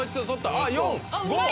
あっ４５！